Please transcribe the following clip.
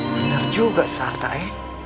bener juga sarta eh